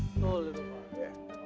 betul betul pak